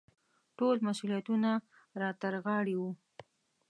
ټول مسوولیتونه را ترغاړې وو.